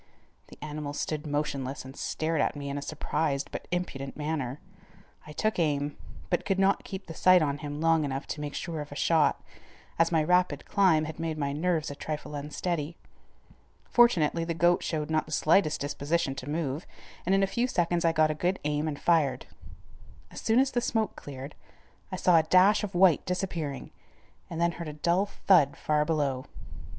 The animal stood motionless and stared at me in a surprised but impudent manner. I took aim, but could not keep the sight on him long enough to make sure of a shot, as my rapid climb had made my nerves a trifle unsteady. Fortunately, the goat showed not the slightest disposition to move and in a few seconds I got a good aim and fired. As soon as the smoke cleared, I saw a dash of white disappearing, and then heard a dull thud far below.